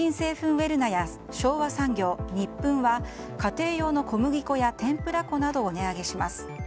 ウェルナや昭和産業ニップンは家庭用の小麦粉や天ぷら粉などを値上げします。